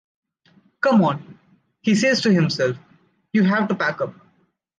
Come on, he says to himself, you have to pack up.